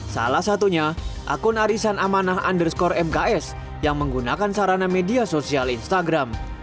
salah satunya akun arisan amanah underscore mks yang menggunakan sarana media sosial instagram